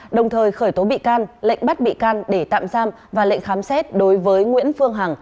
đồng thời khởi tố bị can lệnh bắt bị can để tạm giam và lệnh khám xét đối với nguyễn phương hằng